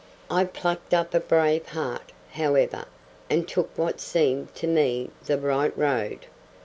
I plucked up a brave heart, however, and took what seemed to me the right road.